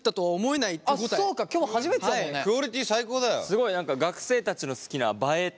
すごい何か学生たちの好きな映えっていうやつ。